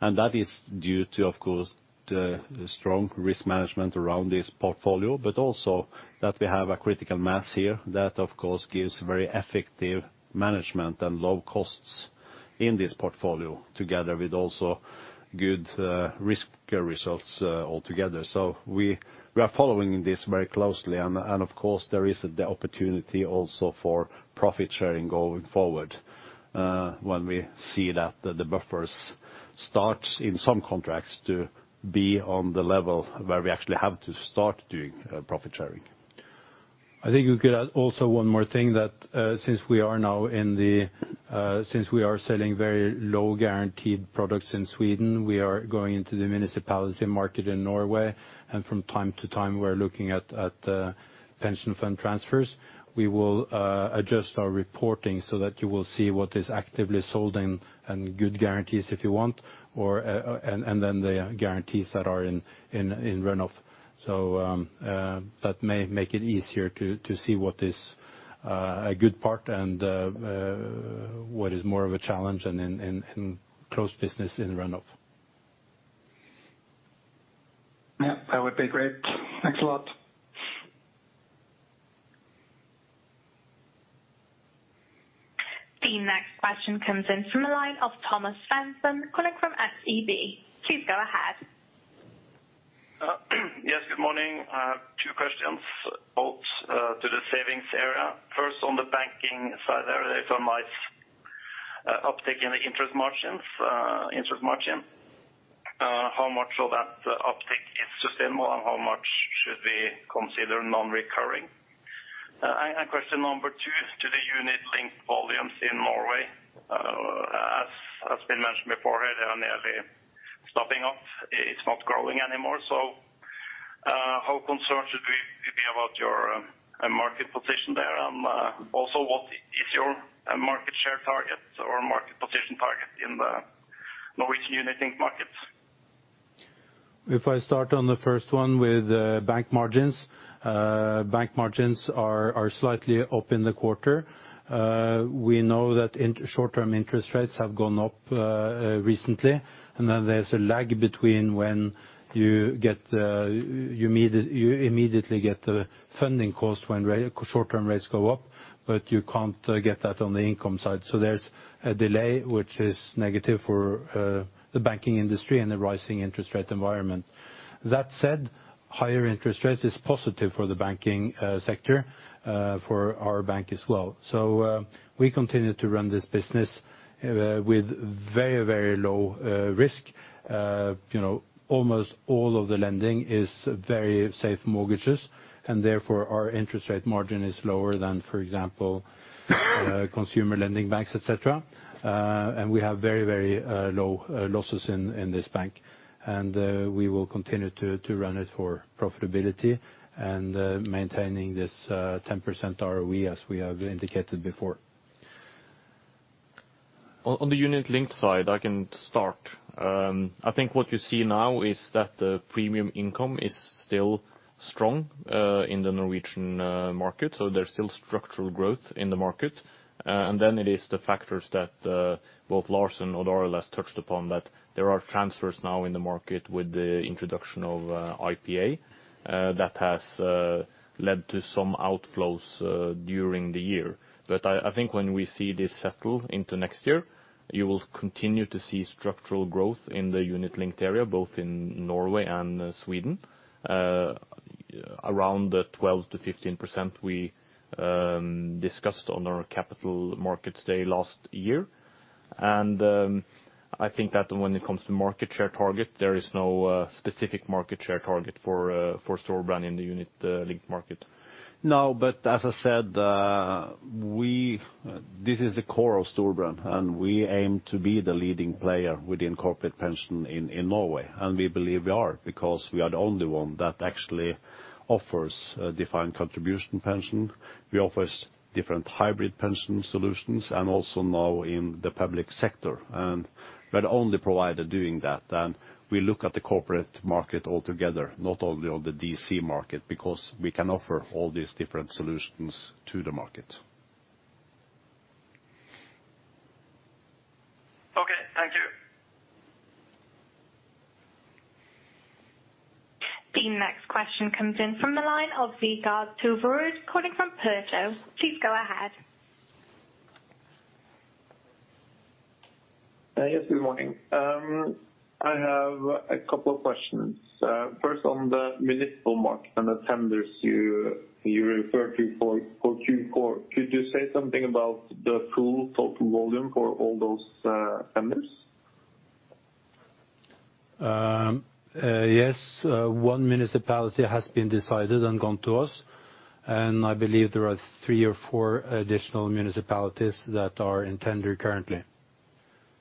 That is due to, of course, the strong risk management around this portfolio, but also that we have a critical mass here that, of course, gives very effective management and low costs in this portfolio together with also good risk results altogether. We are following this very closely. Of course, there is the opportunity also for profit sharing going forward, when we see that the buffers start in some contracts to be on the level where we actually have to start doing profit sharing. I think you could add also one more thing that since we are selling very low guaranteed products in Sweden, we are going into the municipality market in Norway. From time to time, we're looking at pension fund transfers. We will adjust our reporting so that you will see what is actively sold and good guarantees if you want, or and then the guarantees that are in runoff. That may make it easier to see what is a good part and what is more of a challenge and in closed business in runoff. Yeah, that would be great. Thanks a lot. The next question comes in from the line of Thomas Svendsen calling from SEB. Please go ahead. Yes, good morning. I have two questions, both to the savings area. First, on the banking side there, it's a nice uptick in the interest margin. How much of that uptick is sustainable and how much should we consider non-recurring? Question number two is to the Unit Linked volumes in Norway. As has been mentioned before, they are nearly stopping up. It's not growing anymore. How concerned should we be about your market position there? Also, what is your market share target or market position target in the Norwegian Unit Linked markets? If I start on the first one with bank margins, bank margins are slightly up in the quarter. We know that short-term interest rates have gone up recently, and that there's a lag between when you immediately get the funding cost when short-term rates go up, but you can't get that on the income side. There's a delay, which is negative for the banking industry and the rising interest rate environment. That said, higher interest rates is positive for the banking sector, for our bank as well. We continue to run this business with very, very low risk. You know, almost all of the lending is very safe mortgages, and therefore our interest rate margin is lower than, for example, consumer lending banks, et cetera. We have very low losses in this bank, and we will continue to run it for profitability and maintaining this 10% ROE, as we have indicated before. On the Unit Linked side, I can start. I think what you see now is that the premium income is still strong in the Norwegian market, so there's still structural growth in the market. Then it is the factors that both Lars and Odd Arild has touched upon that there are transfers now in the market with the introduction of IPA that has led to some outflows during the year. I think when we see this settle into next year, you will continue to see structural growth in the Unit Linked area, both in Norway and Sweden. Around 12%-15% we discussed on our Capital Markets Day last year. I think that when it comes to market share target, there is no specific market share target for Storebrand in the Unit Linked market. No, but as I said, this is the core of Storebrand, and we aim to be the leading player within corporate pension in Norway. We believe we are, because we are the only one that actually offers a defined contribution pension, we offer different hybrid pension solutions and also now in the public sector. We're the only provider doing that. We look at the corporate market altogether, not only on the DC market, because we can offer all these different solutions to the market. Okay, thank you. The next question comes in from the line of Vegard Toverud calling from Pareto. Please go ahead. Yes, good morning. I have a couple of questions. First on the municipal market and the tenders you referred to for Q4. Could you say something about the full total volume for all those tenders? Yes, one municipality has been decided and gone to us, and I believe there are three or four additional municipalities that are in tender currently.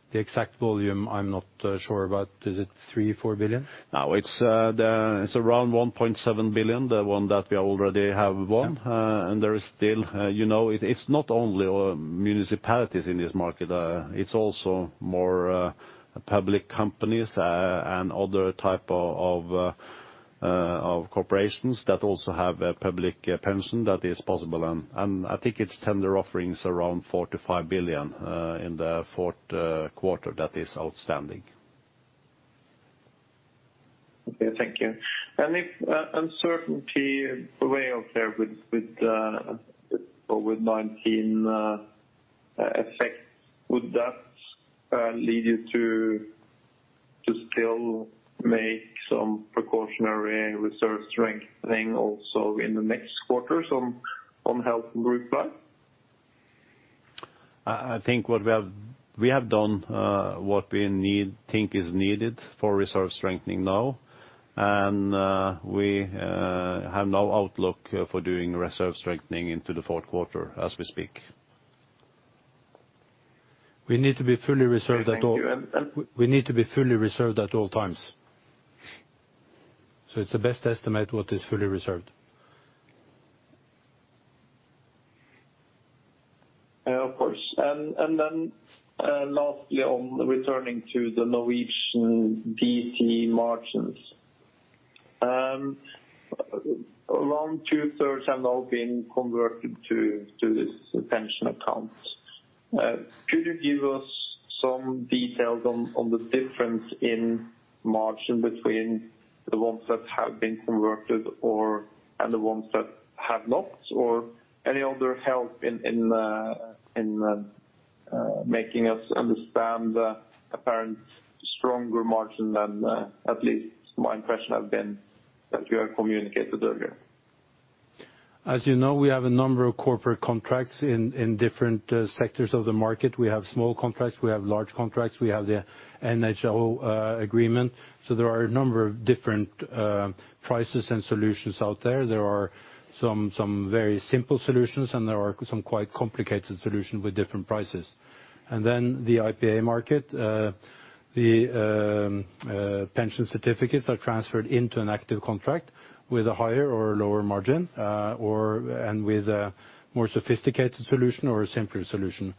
The exact volume I'm not sure about. Is it three or four billion? No, it's around 1.7 billion, the one that we already have won. Yeah. And there is still, you know, it's not only municipalities in this market. It's also more public companies, and other type of of corporations that also have a public pension that is possible. I think it's tender offerings around 45 billion in the fourth quarter that is outstanding. Okay, thank you. If uncertainty weighs out there with COVID-19 effects, would that lead you to still make some precautionary reserve strengthening also in the next quarters on health group life? I think what we have done is what we think is needed for reserve strengthening now, and we have no outlook for doing reserve strengthening into the fourth quarter as we speak. We need to be fully reserved at all- Okay, thank you. We need to be fully reserved at all times. It's the best estimate what is fully reserved. Yeah, of course. Lastly on returning to the Norwegian DC margins. Around two-thirds have now been converted to this pension account. Could you give us some details on the difference in margin between the ones that have been converted and the ones that have not? Any other help in making us understand the apparent stronger margin than at least my impression have been that you have communicated earlier. As you know, we have several corporate contracts in different sectors of the market. We have small contracts, we have large contracts, we have the NHO agreement. There are a number of different prices and solutions out there. There are some very simple solutions, and there are some quite complicated solutions with different prices. The IPA market, the pension certificates are transferred into an active contract with a higher or lower margin, or with a more sophisticated solution or a simpler solution.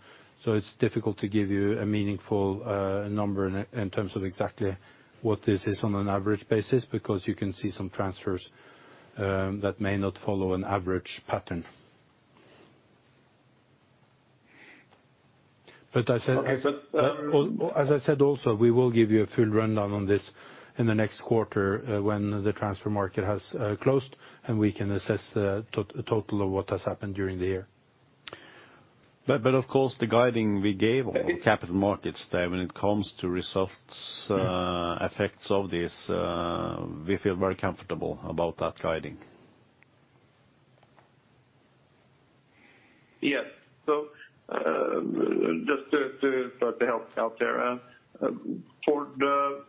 It's difficult to give you a meaningful number in terms of exactly what this is on an average basis, because you can see some transfers that may not follow an average pattern. Okay. As I said also, we will give you a full rundown on this in the next quarter when the transfer market has closed, and we can assess the total of what has happened during the year. Of course, the guiding we gave on Capital Markets Day when it comes to results, effects of this, we feel very comfortable about that guiding. Yes. Just to start to help out there, for the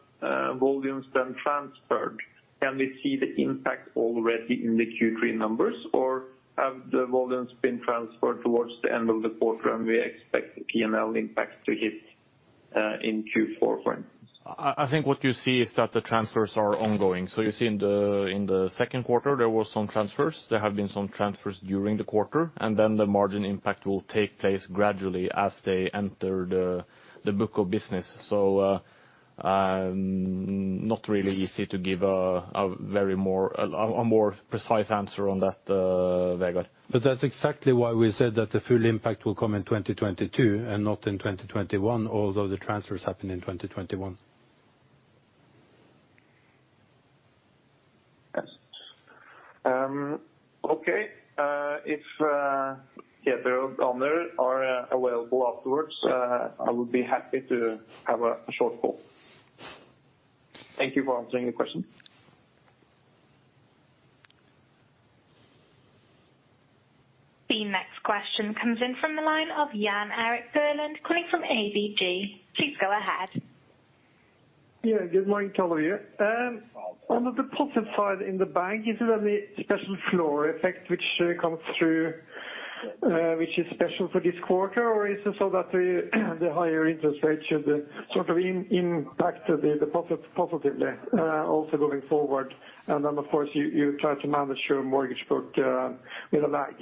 volumes then transferred, can we see the impact already in the Q3 numbers or have the volumes been transferred towards the end of the quarter and we expect the P&L impact to hit in Q4 for instance? I think what you see is that the transfers are ongoing. You see in the second quarter there were some transfers. There have been some transfers during the quarter, and then the margin impact will take place gradually as they enter the book of business. Not really easy to give a more precise answer on that, Vegard. That's exactly why we said that the full impact will come in 2022 and not in 2021, although the transfers happen in 2021. Yes. Okay. If Vegard or Anders are available afterwards, I would be happy to have a short call. Thank you for answering the question. The next question comes in from the line of Jan Erik Gjerland calling from ABG. Please go ahead. Yeah, good morning to all of you. On the deposit side in the bank, is it any special floor effect which comes through, which is special for this quarter? Or is it so that the higher interest rates should sort of impact the profits positively, also going forward? Of course you try to manage your mortgage book with a lag.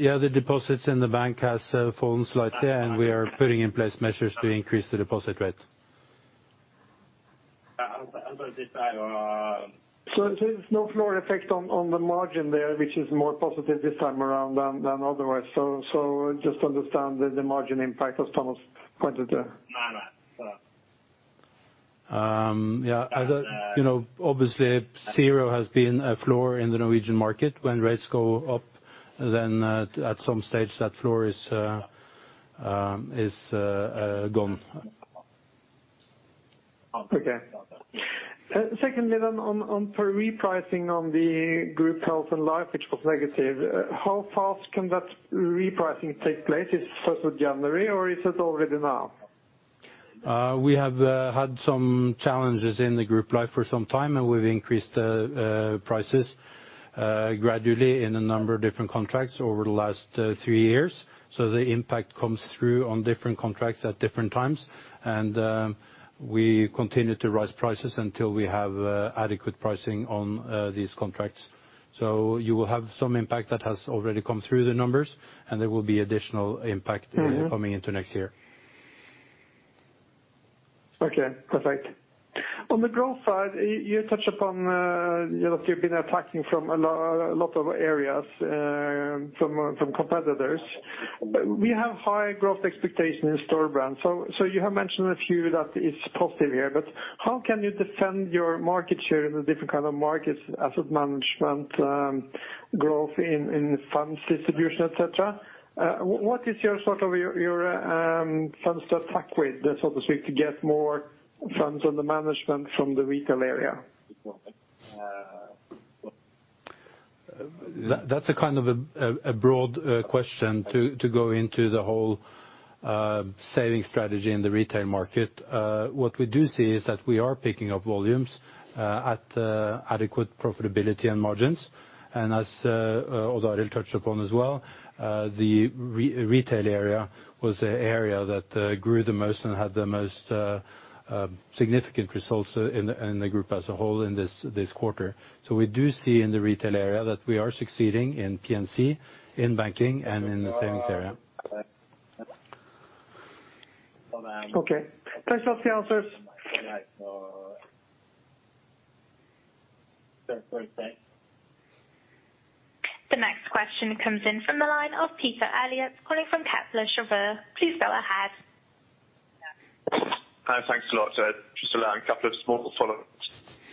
Yeah, the deposits in the bank has fallen slightly, and we are putting in place measures to increase the deposit rate. There is no floor effect on the margin there, which is more positive this time around than otherwise. Just understand the margin impact as Thomas pointed there. Yeah. You know, obviously zero has been a floor in the Norwegian market. When rates go up, then, at some stage that floor is gone. Okay. Secondly on for repricing on the group health and life, which was negative, how fast can that repricing take place? It's first of January or is it already now? We have had some challenges in the group life for some time, and we've increased prices gradually in a number of different contracts over the last three years. The impact comes through on different contracts at different times. We continue to raise prices until we have adequate pricing on these contracts. You will have some impact that has already come through the numbers, and there will be additional impact coming into next year. Okay, perfect. On the growth side, you touched upon, you know, that you've been attacking from a lot of areas, from competitors. We have high growth expectation in Storebrand. You have mentioned a few that is positive here, but how can you defend your market share in the different kind of markets, asset management, growth in funds distribution, et cetera? What is your sort of funds to attack with, so to speak, to get more funds under management from the retail area? That's a kind of a broad question to go into the whole savings strategy in the retail market. What we do see is that we are picking up volumes at adequate profitability and margins. As Odd Arild touched upon as well, the retail area was the area that grew the most and had the most significant results in the group as a whole in this quarter. We do see in the retail area that we are succeeding in P&C, in banking, and in the savings area. Okay. Thanks for the answers. The next question comes in from the line of Peter Eliot calling from Kepler Cheuvreux. Please go ahead. Hi. Thanks a lot. Just allowing a couple of small follow-ups.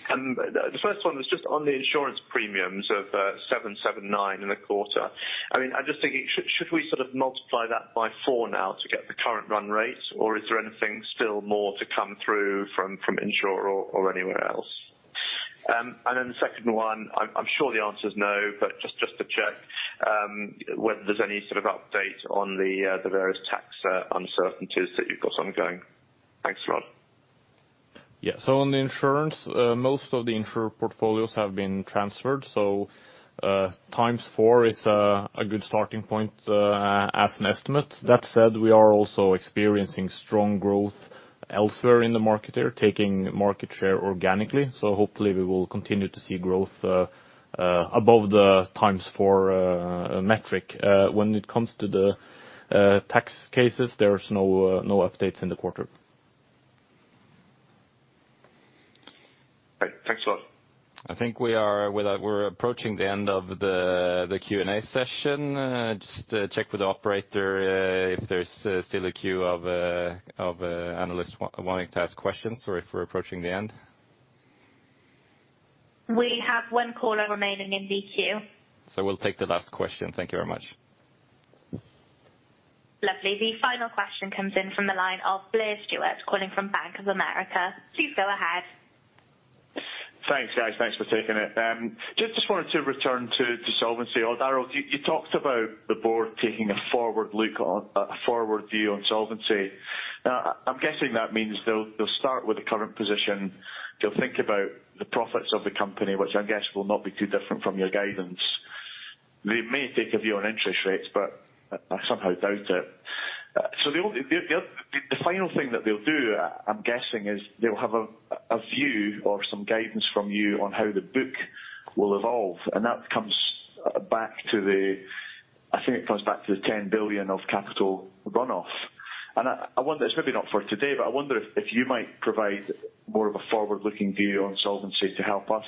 The first one was just on the insurance premiums of 779 in the quarter. I mean, I'm just thinking, should we sort of multiply that by 4 now to get the current run rate? Or is there anything still more to come through from Insr or anywhere else? The second one, I'm sure the answer is no, but just to check, whether there's any sort of update on the various tax uncertainties that you've got ongoing. Thanks a lot. Yeah. On the insurance, most of the Insr portfolios have been transferred, times four is a good starting point as an estimate. That said, we are also experiencing strong growth elsewhere in the market here, taking market share organically. Hopefully we will continue to see growth above the times four metric. When it comes to the tax cases, there's no updates in the quarter. Okay. Thanks a lot. With that, we're approaching the end of the Q&A session. Just check with the operator if there's still a queue of analysts wanting to ask questions, or if we're approaching the end. We have one caller remaining in the queue. We'll take the last question. Thank you very much. Lovely. The final question comes in from the line of Blair Stewart calling from Bank of America. Please go ahead. Thanks, guys. Thanks for taking it. Just wanted to return to solvency. Odd Arild, you talked about the board taking a forward look on a forward view on solvency. Now I'm guessing that means they'll start with the current position. They'll think about the profits of the company, which I guess will not be too different from your guidance. They may take a view on interest rates, but I somehow doubt it. The final thing that they'll do, I'm guessing, is they'll have a view or some guidance from you on how the book will evolve, and I think it comes back to the 10 billion of capital run-off. I wonder, it's maybe not for today, but I wonder if you might provide more of a forward-looking view on solvency to help us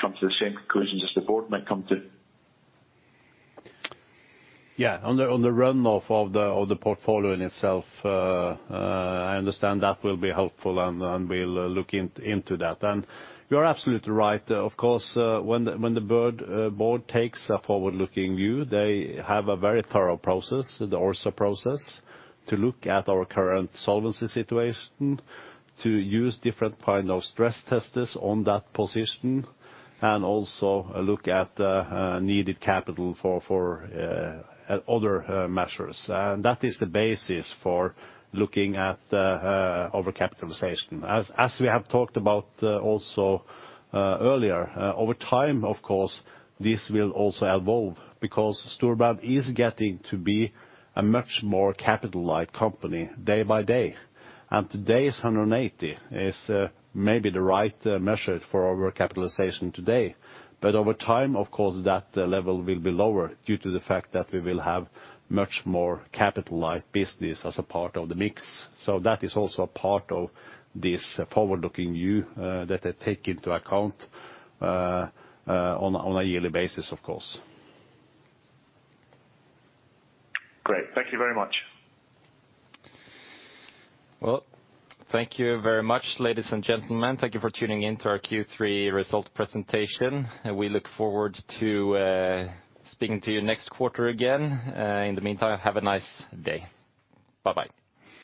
come to the same conclusions as the board might come to. Yeah. On the run-off of the portfolio in itself, I understand that will be helpful, and we'll look into that. You're absolutely right. Of course, when the board takes a forward-looking view, they have a very thorough process, the ORSA process, to look at our current solvency situation, to use different kinds of stress tests on that position, and also look at the needed capital for other measures. That is the basis for looking at the overcapitalization. As we have talked about also earlier over time, of course, this will also evolve because Storebrand is getting to be a much more capital-light company day by day. Today's 180 is maybe the right measure for our capitalization today. Over time, of course, that level will be lower due to the fact that we will have much more capital-light business as a part of the mix. That is also a part of this forward-looking view that I take into account on a yearly basis, of course. Great. Thank you very much. Well, thank you very much, ladies and gentlemen. Thank you for tuning in to our Q3 result presentation, and we look forward to speaking to you next quarter again. In the meantime, have a nice day. Bye-bye.